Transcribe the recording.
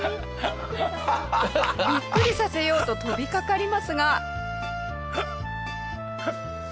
ビックリさせようと飛びかかりますが。